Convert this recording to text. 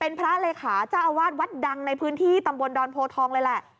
เป็นพระเลขาเจ้าอาวาสวัดดังในพื้นที่ตำบลดอนโพทองเลยแหละ